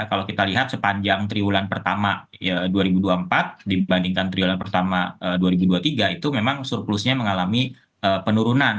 kalau kita lihat sepanjang triwulan pertama dua ribu dua puluh empat dibandingkan triwulan pertama dua ribu dua puluh tiga itu memang surplusnya mengalami penurunan